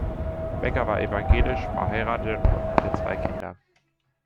Becker war evangelisch, verheiratet und hatte zwei Kinder.